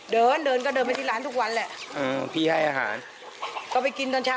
เดินเดินก็เดินไปที่ร้านทุกวันแหละเออพี่ให้อาหารก็ไปกินตอนเช้า